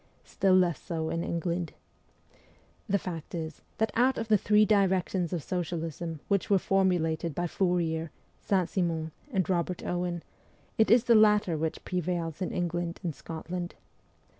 Still less so in England. The fact is, that out of the three directions of socialism which were formulated by Fourier, Saint Simon, and Kobert Owen, it is the latter which prevails in England and Scotland.